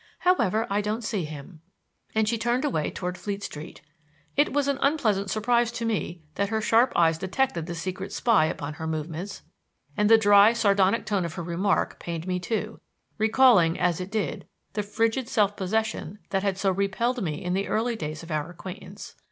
However, I don't see him." And she turned away toward Fleet Street. It was an unpleasant surprize to me that her sharp eyes detected the secret spy upon her movements; and the dry, sardonic tone of her remark pained me too, recalling, as it did, the frigid self possession that had so repelled me in the early days of our acquaintance.